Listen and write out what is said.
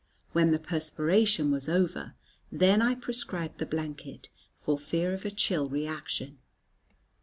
When the perspiration was over, then I prescribed the blanket for fear of a chill reaction.